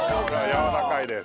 やわらかいです。